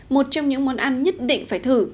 một trong những món ăn nhất định phải thử